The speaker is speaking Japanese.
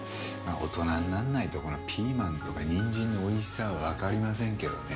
大人になんないとピーマンとかにんじんのおいしさはわかりませんけどね。